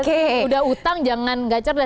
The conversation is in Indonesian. sudah utang jangan tidak cerdas